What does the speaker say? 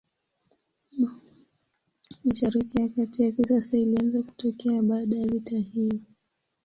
Mashariki ya Kati ya kisasa ilianza kutokea baada ya vita hiyo.